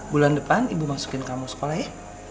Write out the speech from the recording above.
bulan depan ibu masukin kamu sekolah ya